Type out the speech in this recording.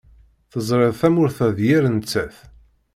Teẓriḍ tamurt-a d yir nettat.